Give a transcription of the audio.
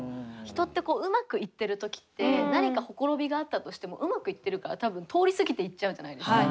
人ってうまくいってる時って何か綻びがあったとしてもうまくいってるから多分通り過ぎていっちゃうじゃないですか。